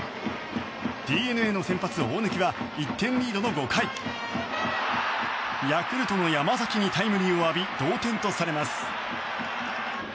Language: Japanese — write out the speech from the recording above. ＤｅＮＡの先発、大貫は１点リードの５回ヤクルトの山崎にタイムリーを浴び同点とされます。